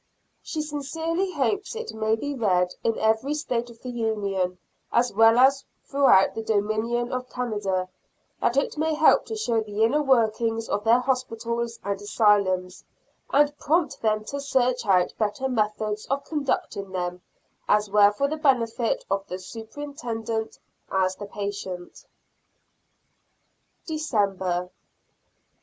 She sincerely hopes it may be read in every State of the Union, as well as throughout the Dominion of Canada, that it may help to show the inner workings of their Hospitals and Asylums, and prompt them to search out better methods of conducting them, as well for the benefit of the superintendent as the patient. December.